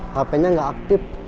hpnya gak aktif